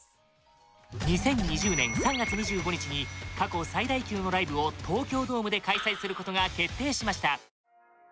２０２０年３月２５日に過去最大級のライブを東京ドームで開催することが決定しました